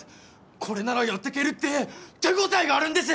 これならやってけるって手応えがあります